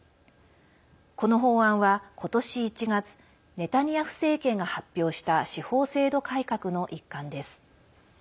この法案は今年１月ネタニヤフ政権が発表した司法制度改革の一環です。